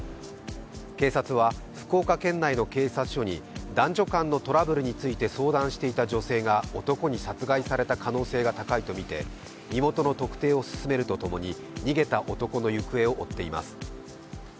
警察は福岡県内の警察署に男女間のトラブルについて相談していた女性が男に殺害された可能性が高いとみて身元の特定を進めるとともに逃げた男の行方を追っています。